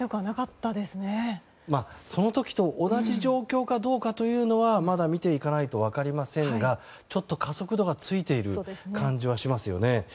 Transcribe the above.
まあ、その時と同じ状況かどうかというのはまだ見ていかないと分かりませんがちょっと加速度がついている感じはしますよね。